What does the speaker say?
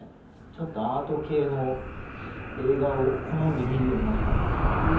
ちょっとアート系の映画を好んで見るようになったんだよね。